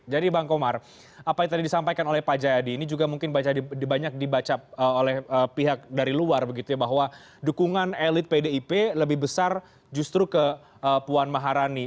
jadi bang komar apa yang tadi disampaikan oleh pak jayadi ini juga mungkin banyak dibaca oleh pihak dari luar bahwa dukungan elit pdip lebih besar justru ke puan maharani